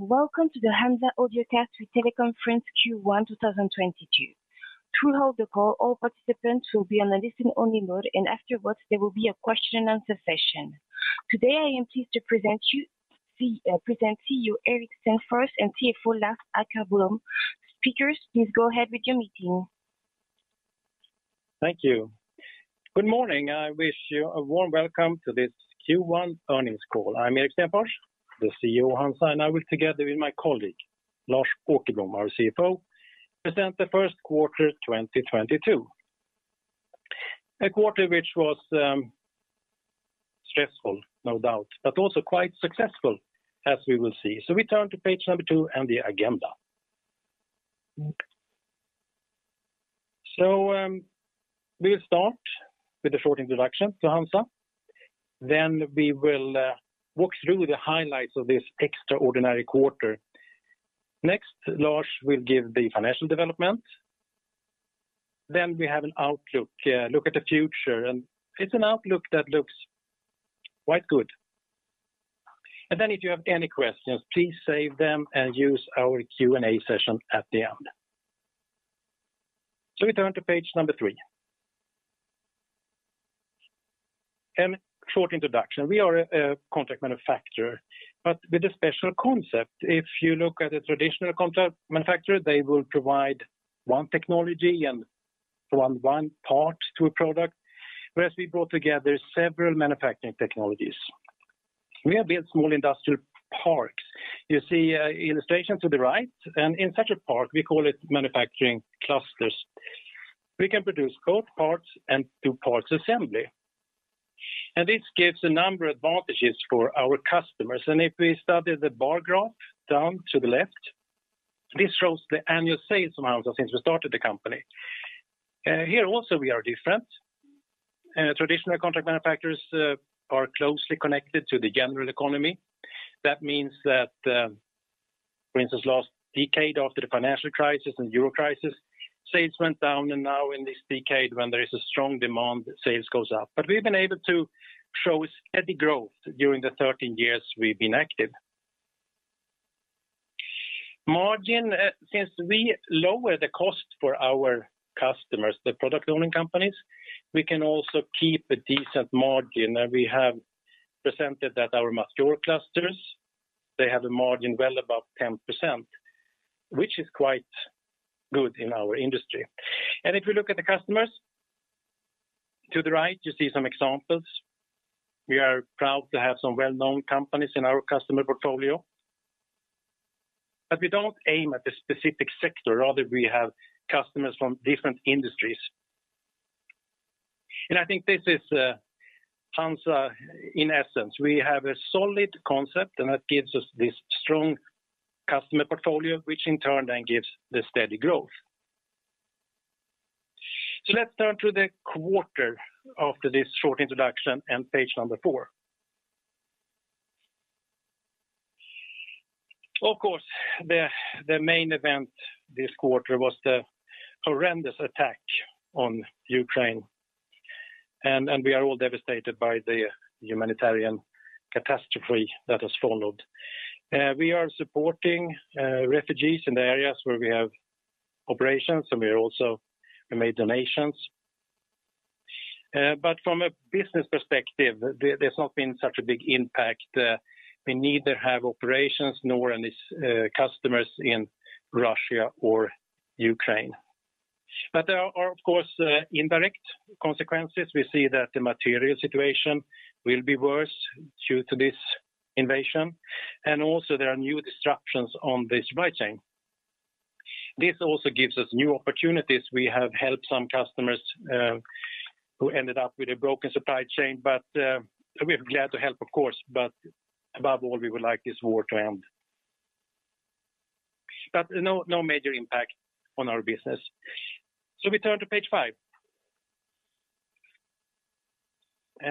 Welcome to the HANZA audiocast with teleconference Q1 2022. Throughout the call, all participants will be on a listen-only mode, and afterwards there will be a question and answer session. Today, I am pleased to present President and CEO Erik Stenfors and CFO Lars Åkerblom. Speakers, please go ahead with your meeting. Thank you. Good morning. I wish you a warm welcome to this Q1 earnings call. I'm EriK Stenfors, the CEO of HANZA, and I work together with my colleague, Lars Åkerblom, our CFO, present the Q1 2022. A quarter which was stressful, no doubt, but also quite successful as we will see. We turn to page number two and the agenda. We'll start with a short introduction to HANZA, then we will walk through the highlights of this extraordinary quarter. Next, Lars will give the financial development, then we have an outlook look at the future. It's an outlook that looks quite good. Then if you have any questions, please save them and use our Q&A session at the end. We turn to page number three. A short introduction. We are a contract manufacturer, but with a special concept. If you look at a traditional contract manufacturer, they will provide one technology and one part to a product, whereas we brought together several manufacturing technologies. We have built small industrial parks. You see illustration to the right. In such a park, we call it manufacturing clusters. We can produce both parts and do parts assembly. This gives a number of advantages for our customers. If we study the bar graph down to the left, this shows the annual sales amounts since we started the company. Here also we are different. Traditional contract manufacturers are closely connected to the general economy. That means that, for instance, last decade after the financial crisis and Euro crisis, sales went down, and now in this decade when there is a strong demand, sales goes up. We've been able to show steady growth during the 13 years we've been active. Margin, since we lower the cost for our customers, the product owning companies, we can also keep a decent margin. We have presented that our mature clusters, they have a margin well above 10%, which is quite good in our industry. If you look at the customers, to the right, you see some examples. We are proud to have some well-known companies in our customer portfolio. But we don't aim at a specific sector. Rather, we have customers from different industries. I think this is HANZA in essence. We have a solid concept, and that gives us this strong customer portfolio, which in turn then gives the steady growth. Let's turn to the quarter after this short introduction on page number four. Of course, the main event this quarter was the horrendous attack on Ukraine, and we are all devastated by the humanitarian catastrophe that has followed. We are supporting refugees in the areas where we have operations, and we have also made donations. From a business perspective, there's not been such a big impact. We neither have operations nor any customers in Russia or Ukraine. There are, of course, indirect consequences. We see that the material situation will be worse due to this invasion, and also there are new disruptions on the supply chain. This also gives us new opportunities. We have helped some customers who ended up with a broken supply chain, but we're glad to help, of course, but above all, we would like this war to end. No major impact on our business. We turn to page five.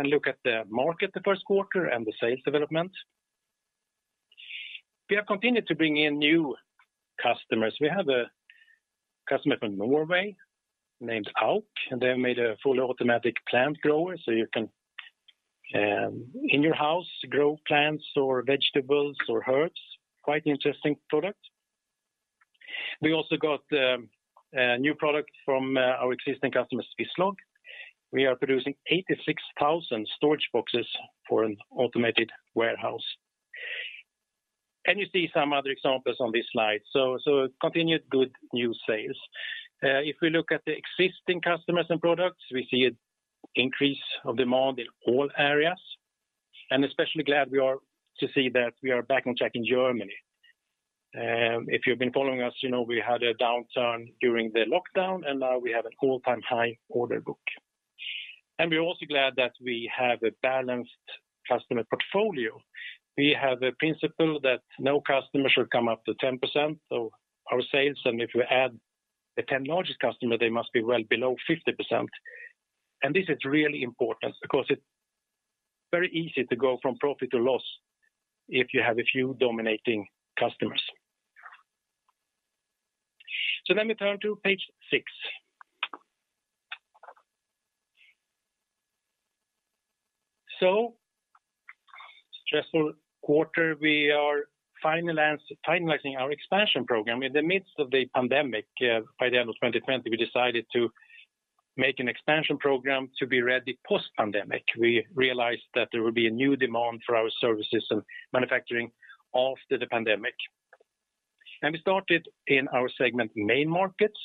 Look at the market in the Q1 and the sales development. We have continued to bring in new customers. We have a customer from Norway named Auk, and they made a fully automatic plant grower, so you can in your house grow plants or vegetables or herbs. Quite interesting product. We also got a new product from our existing customer, Swisslog. We are producing 86,000 storage boxes for an automated warehouse. You see some other examples on this slide. Continued good new sales. If we look at the existing customers and products, we see an increase of demand in all areas, and especially glad we are to see that we are back on track in Germany. If you've been following us, you know we had a downturn during the lockdown, and now we have an all-time high order book. We're also glad that we have a balanced customer portfolio. We have a principle that no customer should come up to 10% of our sales, and if you add the ten largest customers, they must be well below 50%. This is really important because it's very easy to go from profit to loss if you have a few dominating customers. Let me turn to page six. Stressful quarter, we are finalizing our expansion program in the midst of the pandemic. By the end of 2020, we decided to make an expansion program to be ready post pandemic. We realized that there would be a new demand for our services and manufacturing after the pandemic. We started in our segment Main Markets.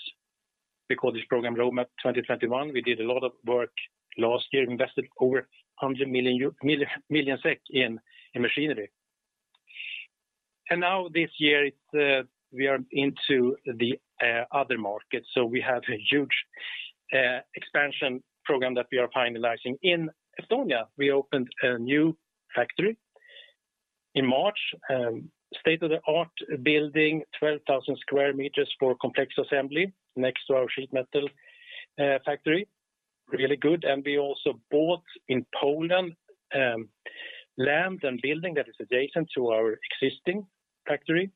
We call this program Roadmap 2021. We did a lot of work last year, invested over 100 million in machinery. Now this year, we are into the Other Markets. We have a huge expansion program that we are finalizing. In Estonia, we opened a new factory in March, state-of-the-art building, 12,000 square meters for complex assembly next to our sheet metal factory. Really good. We also bought in Poland land and building that is adjacent to our existing factory.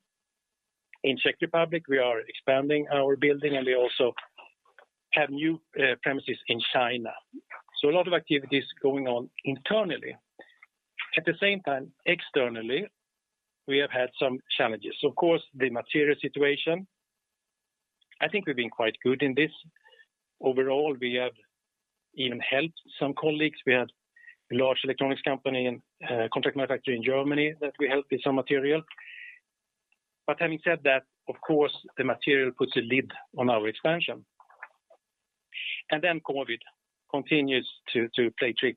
In Czech Republic, we are expanding our building, and we also have new premises in China. A lot of activities going on internally. At the same time, externally, we have had some challenges. Of course, the material situation, I think we've been quite good in this. Overall, we have even helped some colleagues. We have a large electronics company and contract manufacturer in Germany that we helped with some material. Having said that, of course, the material puts a lid on our expansion. COVID continues to play trick.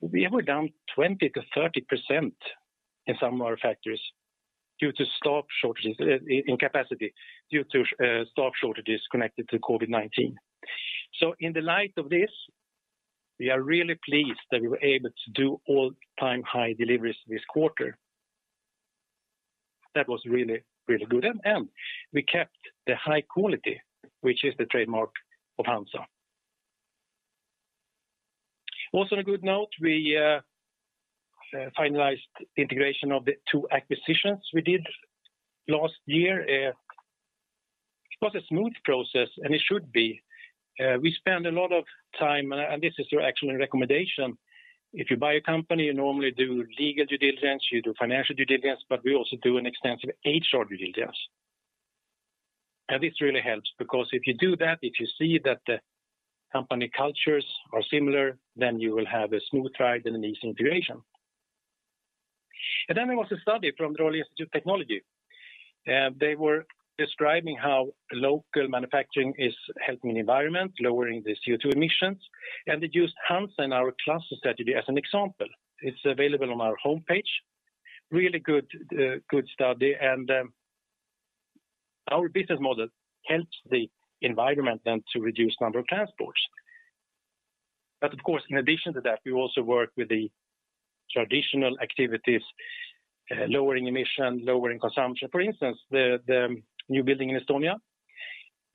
We were down 20%-30% in some of our factories due to stock shortages in capacity, due to stock shortages connected to COVID-19. In the light of this, we are really pleased that we were able to do all-time high deliveries this quarter. That was really, really good. We kept the high quality, which is the trademark of HANZA. Also a good note, we finalized the integration of the two acquisitions we did last year. It was a smooth process, and it should be. We spend a lot of time, and this is your actual recommendation. If you buy a company, you normally do legal due diligence, you do financial due diligence, but we also do an extensive HR due diligence. This really helps because if you do that, if you see that the company cultures are similar, then you will have a smooth ride and an easy integration. Then there was a study from the Royal Institute of Technology. They were describing how local manufacturing is helping the environment, lowering the CO2 emissions, and they used HANZA in our cluster strategy as an example. It's available on our homepage. Really good study. Our business model helps the environment and to reduce number of transports. Of course, in addition to that, we also work with the traditional activities, lowering emission, lowering consumption. For instance, the new building in Estonia,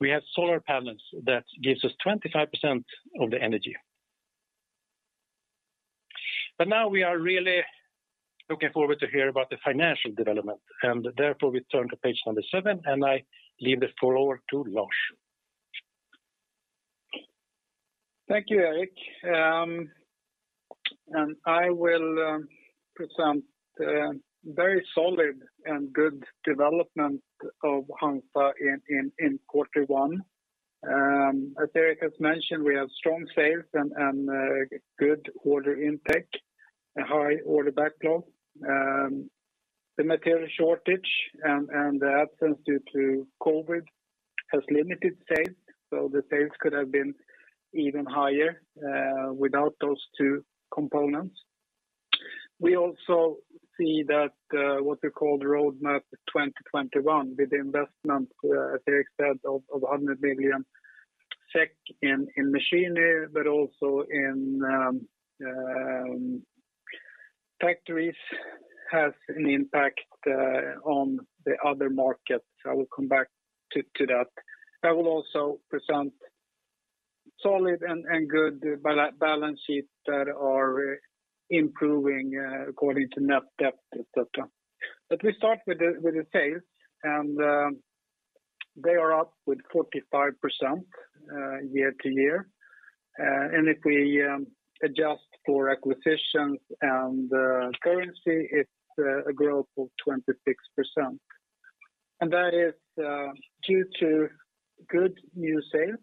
we have solar panels that gives us 25% of the energy. Now we are really looking forward to hear about the financial development, and therefore, we turn to page number 7, and I leave the floor over to Lars Åkerblom. Thank you, Erik. I will present very solid and good development of HANZA in quarter one. As Erik has mentioned, we have strong sales and good order intake, a high order backlog. The material shortage and the absence due to COVID has limited sales, so the sales could have been even higher without those two components. We also see that what we call the Roadmap 2021 with the investment, as Erik said, of 100 million in machinery, but also in factories has an impact on the Other markets. I will come back to that. I will also present solid and good balance sheets that are improving according to net debt, et cetera. We start with the sales, and they are up 45% year-over-year. If we adjust for acquisitions and currency, it's a growth of 26%. That is due to good new sales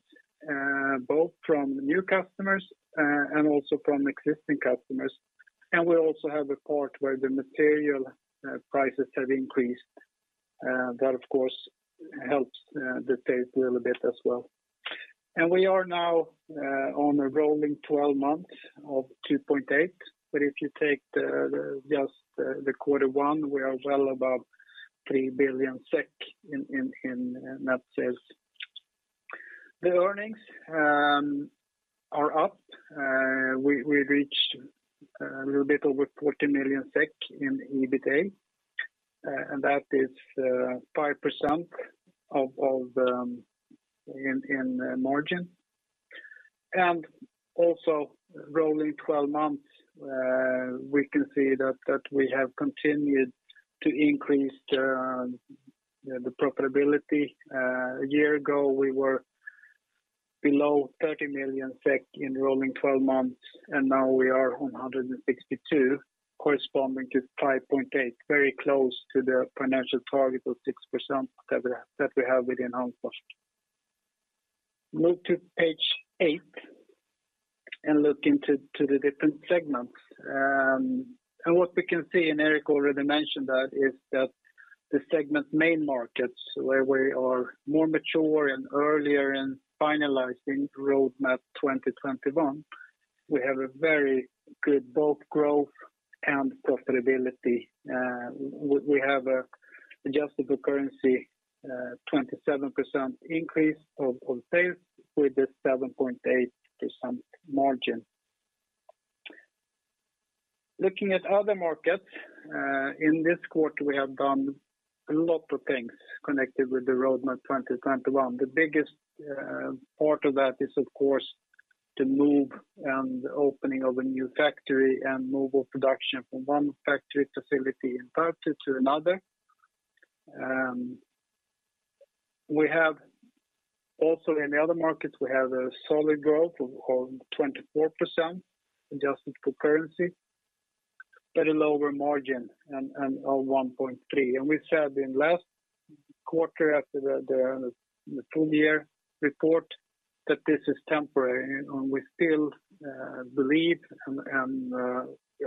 both from new customers and also from existing customers. We also have a part where the material prices have increased. That of course helps the sales a little bit as well. We are now on a rolling twelve months of 2.8 billion. If you take quarter one, we are well above 3 billion SEK in net sales. The earnings are up. We reached a little bit over 40 million SEK in EBITA, and that is 5% margin. Rolling twelve months, we can see that we have continued to increase the profitability. A year ago, we were below 30 million SEK in rolling twelve months, and now we are at 162 million corresponding to 5.8%, very close to the financial target of 6% that we have within HANZA. Move to page 8 and look into the different segments. What we can see, and Erik already mentioned that, is that the segment Main Markets where we are more mature and earlier in finalizing Roadmap 2021, we have a very good both growth and profitability. We have adjusted for currency, 27% increase of sales with a 7.8% margin. Looking at Other markets, in this quarter, we have done a lot of things connected with the Roadmap 2021. The biggest part of that is, of course, the move and opening of a new factory and move of production from one factory facility in Tartu to another. We have also in the Other markets a solid growth of 24% adjusted for currency, but a lower margin and of 1.3. We said in last quarter after the full year report that this is temporary. and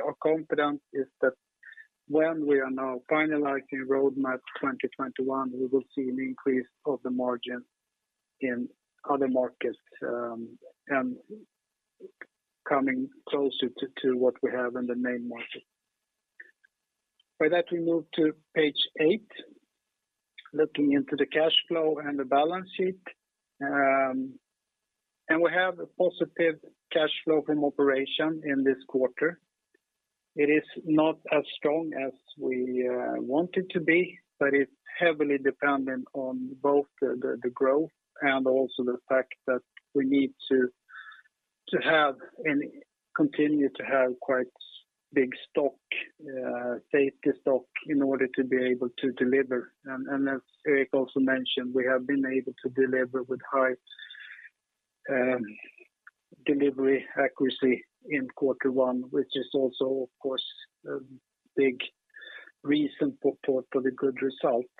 our confidence is that when we are now finalizing Roadmap 2021, we will see an increase of the margin in other markets, and coming closer to what we have in the main market. By that, we move to page eight, looking into the cash flow and the balance sheet. We have a positive cash flow from operation in this quarter. It is not as strong as we want it to be, but it's heavily dependent on both the growth and also the fact that we need to have and continue to have quite big stock safety stock in order to be able to deliver. As Erik also mentioned, we have been able to deliver with high delivery accuracy in quarter one, which is also, of course, a big reason for the good result.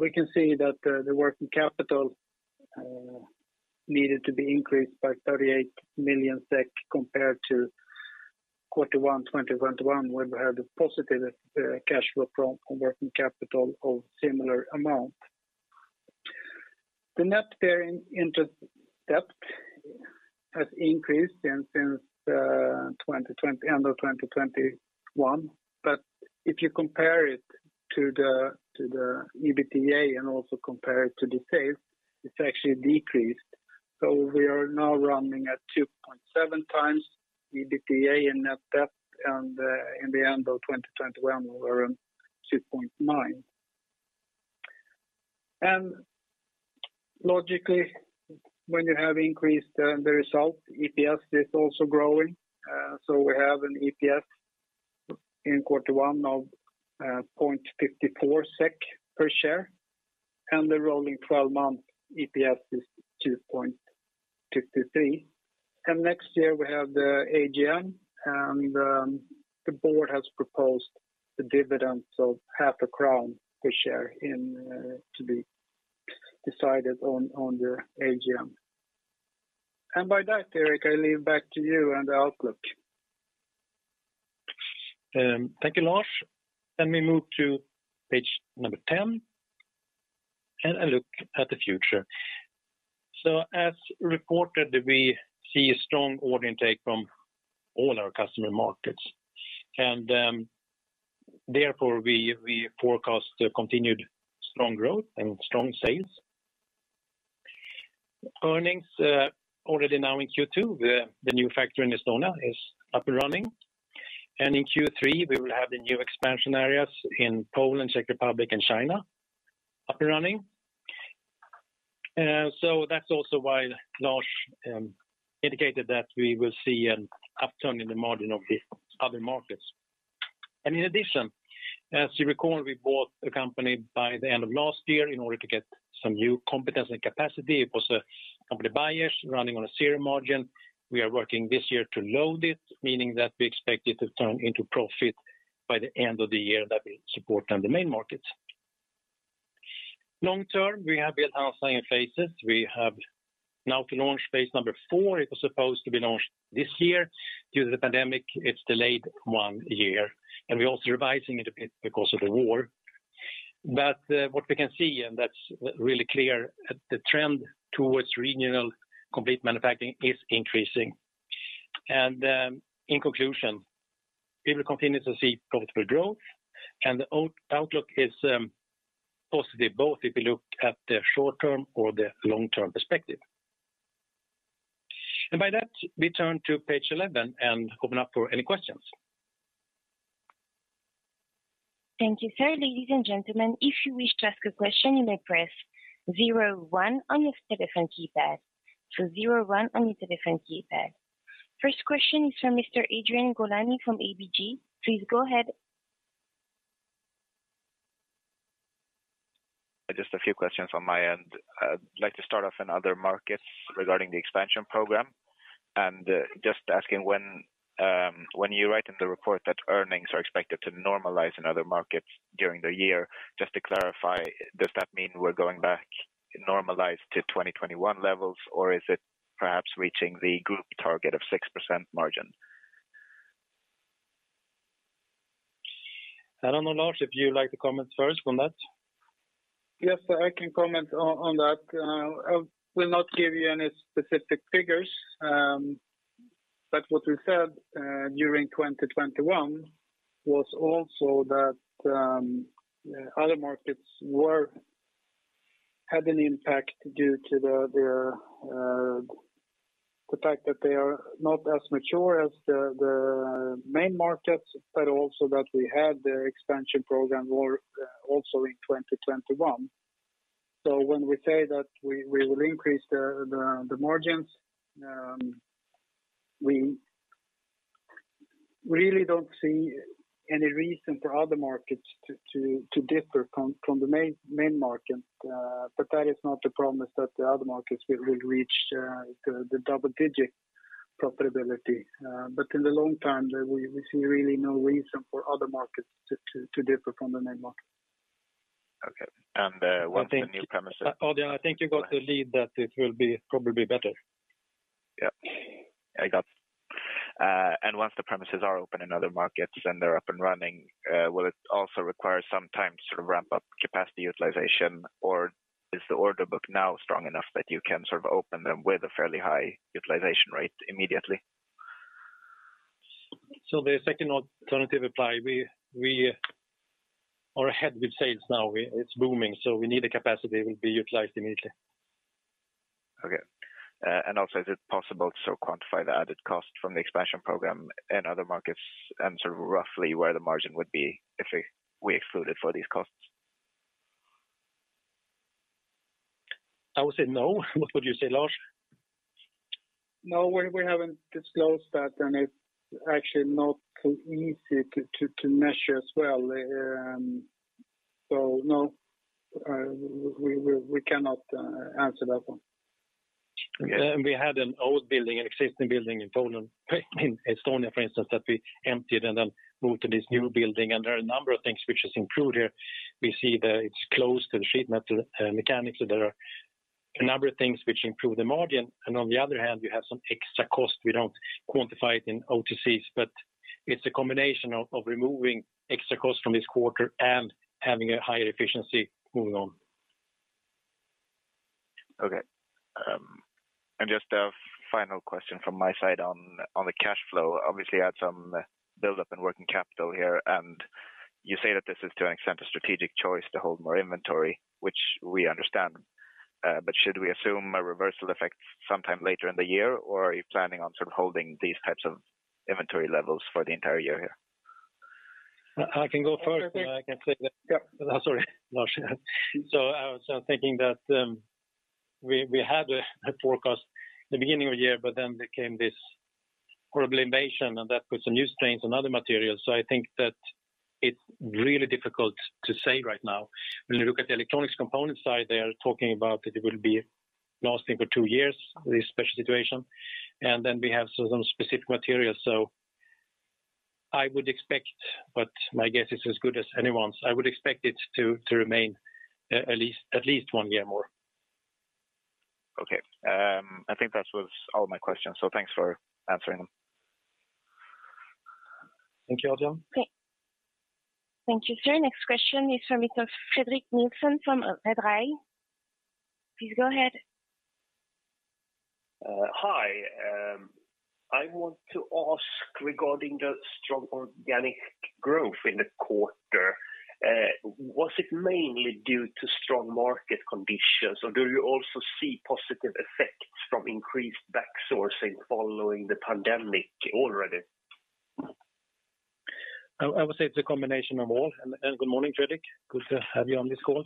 We can see that the working capital needed to be increased by 38 million SEK compared to quarter one 2021, where we had a positive cash flow from working capital of similar amount. The net debt has increased since end of 2021. If you compare it to the EBITDA and also compare it to the sales, it's actually decreased. We are now running at 2.7 times EBITDA and net debt, and in the end of 2021, we were on 2.9. Logically, when you have increased the result, EPS is also growing. We have an EPS in Q1 of 0.54 SEK per share, and the rolling 12-month EPS is 2.53 SEK. Next year we have the AGM, and the board has proposed a dividend of half a krona per share to be decided on the AGM. By that, Erik, I hand back to you and the outlook. Thank you, Lars. Let me move to page number 10 and a look at the future. As reported, we see a strong order intake from all our customer markets. Therefore, we forecast a continued strong growth and strong sales. Earnings already now in Q2, the new factory in Estonia is up and running. In Q3, we will have the new expansion areas in Poland, Czech Republic, and China up and running. That's also why Lars indicated that we will see an upturn in the margin of the Other markets. In addition, as you recall, we bought a company by the end of last year in order to get some new competence and capacity. It was a company, Beyers, running on a zero margin. We are working this year to load it, meaning that we expect it to turn into profit by the end of the year that will support on the Main Markets. Long term, we have built our site in phases. We have now to launch phase number four. It was supposed to be launched this year. Due to the pandemic, it's delayed one year, and we're also revising it a bit because of the war. But what we can see, and that's really clear, the trend towards regional complete manufacturing is increasing. In conclusion, we will continue to see profitable growth and the outlook is positive both if you look at the short term or the long term perspective. By that, we turn to page 11 and open up for any questions. Thank you, sir. Ladies and gentlemen, if you wish to ask a question, you may press zero one on your telephone keypad. Zero one on your telephone keypad. First question is from Mr. Adrian Gilani from ABG. Please go ahead. Just a few questions on my end. I'd like to start off in other markets regarding the expansion program. Just asking when you write in the report that earnings are expected to normalize in other markets during the year, just to clarify, does that mean we're going back normalized to 2021 levels or is it perhaps reaching the group target of 6% margin? I don't know, Lars, if you'd like to comment first on that? Yes, I can comment on that. I will not give you any specific figures, but what we said during 2021 was also that Other markets had an impact due to the fact that they are not as mature as the Main markets, but also that we had the expansion program were also in 2021. When we say that we will increase the margins, we really don't see any reason for Other markets to differ from the Main market. That is not the promise that the Other markets will reach the double digit profitability. In the long term, we see really no reason for Other markets to differ from the Main market. Okay. Once the new premises. Odell, I think you got the lead that it will be probably better. Once the premises are open in other markets and they're up and running, will it also require some time to sort of ramp up capacity utilization? Or is the order book now strong enough that you can sort of open them with a fairly high utilization rate immediately? The second alternative apply, we are ahead with sales now. It's booming, so we need the capacity will be utilized immediately. Okay. Also is it possible to quantify the added cost from the expansion program in other markets and sort of roughly where the margin would be if we excluded for these costs? I would say no. What would you say, Lars? No, we haven't disclosed that, and it's actually not easy to measure as well. No, we cannot answer that one. Okay. We had an old building, an existing building in Poland, in Estonia, for instance, that we emptied and then moved to this new building. There are a number of things which has improved here. We see that it's close to the sheet metal, mechanically. There are a number of things which improve the margin. On the other hand, we have some extra cost. We don't quantify it in OTC, but it's a combination of removing extra costs from this quarter and having a higher efficiency moving on. Okay. Just a final question from my side on the cash flow. Obviously, you had some buildup in working capital here, you say that this is to an extent a strategic choice to hold more inventory, which we understand. Should we assume a reversal effect sometime later in the year, or are you planning on sort of holding these types of inventory levels for the entire year here? I can go first. I can say that. Yeah. Sorry, Lars. I was thinking that we had a forecast at the beginning of the year, but then there came this horrible inflation, and that put some new strains on other materials. I think that it's really difficult to say right now. When you look at the electronics component side, they are talking about that it will be lasting for 2 years, this special situation. We have some specific materials. I would expect, but my guess is as good as anyone's. I would expect it to remain at least 1 year more. Okay. I think that was all my questions. Thanks for answering them. Thank you, Adrian Gilani. Okay. Thank you, sir. Next question is from Mr. Fredrik Nilsson from Redeye. Hi. I want to ask regarding the strong organic growth in the quarter. Was it mainly due to strong market conditions, or do you also see positive effects from increased back sourcing following the pandemic already? I would say it's a combination of all. Good morning, Fredrik. Good to have you on this call.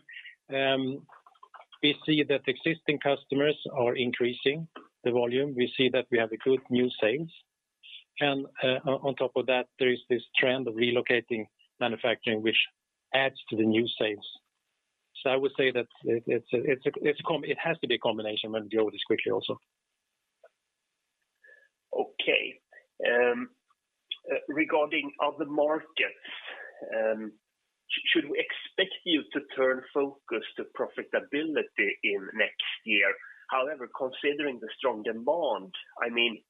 We see that existing customers are increasing the volume. We see that we have a good new sales. On top of that, there is this trend of relocating manufacturing, which adds to the new sales. I would say that it has to be a combination when we deal with this quickly also. Regarding Other markets, should we expect you to turn focus to profitability in next year? However, considering the strong demand, I mean,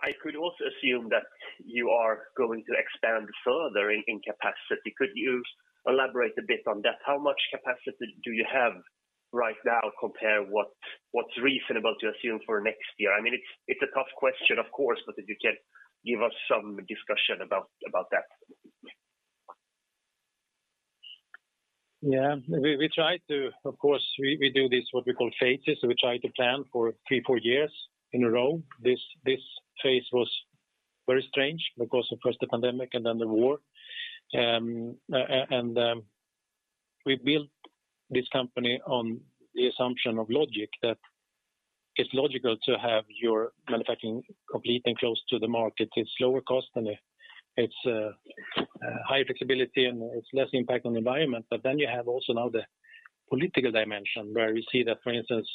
I could also assume that you are going to expand further in capacity. Could you elaborate a bit on that? How much capacity do you have right now compared to what's reasonable to assume for next year? I mean, it's a tough question, of course, but if you can give us some discussion about that. Yeah, we try to, of course, we do this what we call phases. We try to plan for three to four years in a row. This phase was very strange because of first the pandemic and then the war. We built this company on the assumption of logic that it's logical to have your manufacturing complete and close to the market. It's lower cost and it's higher flexibility and it's less impact on the environment. But then you have also now the political dimension where we see that, for instance,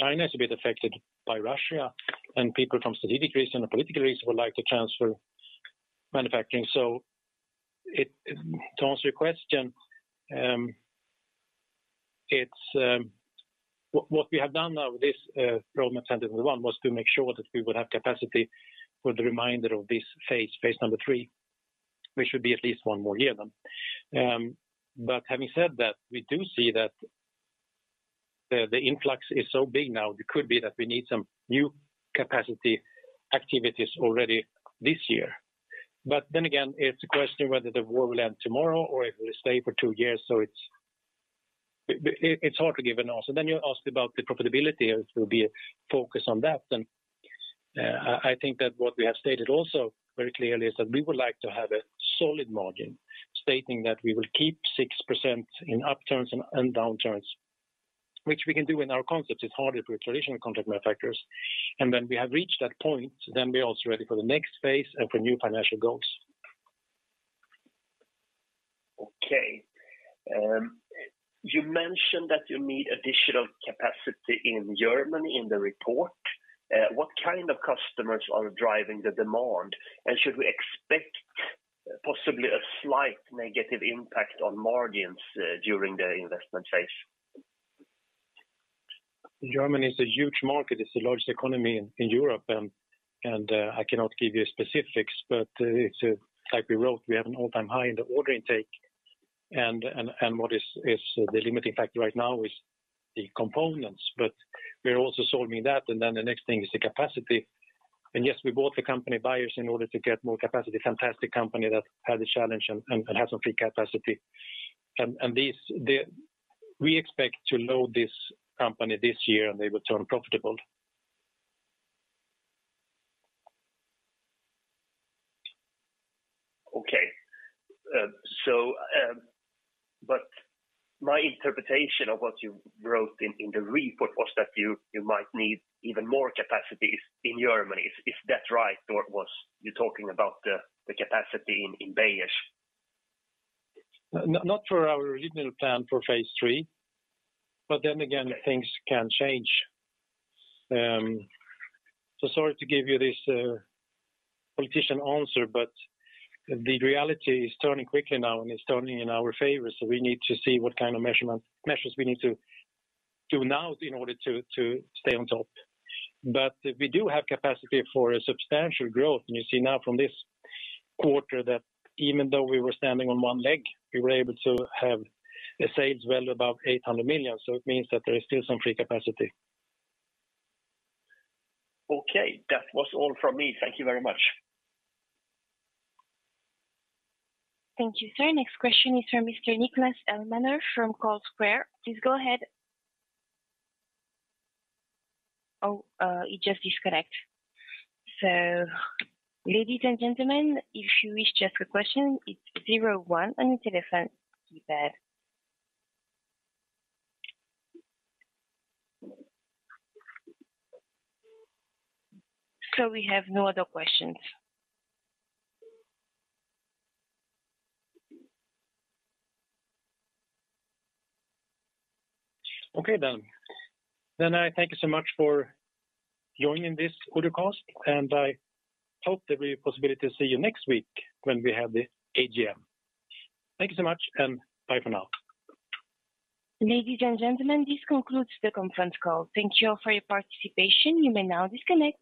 China is a bit affected by Russia, and people from strategic reason or political reason would like to transfer manufacturing. To answer your question, it's. What we have done now with this, production number one was to make sure that we would have capacity for the remainder of this phase number three, which should be at least one more year then. Having said that, we do see that the influx is so big now, it could be that we need some new capacity activities already this year. Then again, it's a question whether the war will end tomorrow or if it will stay for two years. It's hard to give an answer. You asked about the profitability, it will be a focus on that. I think that what we have stated also very clearly is that we would like to have a solid margin stating that we will keep 6% in upturns and downturns, which we can do in our concept. It's harder for traditional contract manufacturers. When we have reached that point, then we're also ready for the next phase and for new financial goals. You mentioned that you need additional capacity in Germany in the report. What kind of customers are driving the demand? Should we expect possibly a slight negative impact on margins during the investment phase? Germany is a huge market. It's the largest economy in Europe. I cannot give you specifics, but it's like we wrote, we have an all-time high in the order intake and what is the limiting factor right now is the components. We are also solving that, and then the next thing is the capacity. Yes, we bought the company Beyers in order to get more capacity. Fantastic company that had a challenge and has some free capacity. This, we expect to load this company this year, and they will turn profitable. My interpretation of what you wrote in the report was that you might need even more capacities in Germany. Is that right, or was you talking about the capacity in Beyers? Not for our original plan for phase three, then again, things can change. Sorry to give you this, politician answer, but the reality is turning quickly now and it's turning in our favor, we need to see what kind of measures we need to do now in order to stay on top. We do have capacity for a substantial growth. You see now from this quarter that even though we were standing on one leg, we were able to have sales well above 800 million. It means that there is still some free capacity. Okay. That was all from me. Thank you very much. Thank you, sir. Next question is from Mr. Niklas Elmhammer from Carlsquare. Please go ahead. Oh, he just disconnected. Ladies and gentlemen, if you wish to ask a question, it's zero one on your telephone keypad. We have no other questions. Okay, then. I thank you so much for joining this telecast, and I hope there'll be a possibility to see you next week when we have the AGM. Thank you so much, and bye for now. Ladies and gentlemen, this concludes the conference call. Thank you for your participation. You may now disconnect.